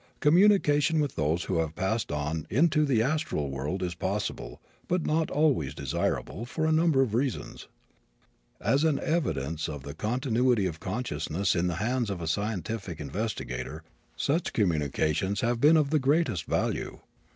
Communication with those who have passed on into the astral world is possible, but not always desirable, for a number of reasons. As an evidence of the continuity of consciousness in the hands of the scientific investigator, such communications have been of the greatest value.